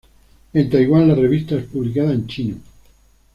En Taiwán, la revista es publicada en chino.